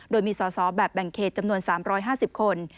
โดยมีสอสอแบบแบ่งเขตจำนวน๓๕๐คน